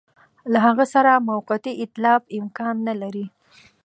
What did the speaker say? له هغه سره موقتي ایتلاف امکان نه لري.